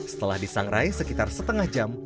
setelah disangrai sekitar setengah jam